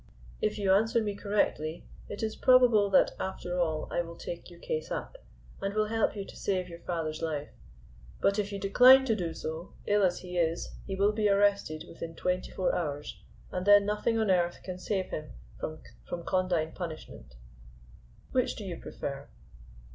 If you answer me correctly it is probable that after all I will take your case up, and will help you to save your father's life, but if you decline to do so, ill as he is, he will be arrested within twenty four hours, and then nothing on earth can save him from condign punishment. Which do you prefer?"